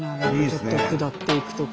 ちょっと下っていく所。